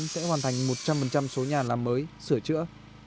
sẽ hoàn thành một trăm linh số nhà làm mới sửa chữa